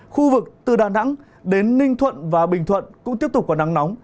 khu vực từ đà nẵng đến ninh thuận và bình thuận cũng tiếp tục có nắng nóng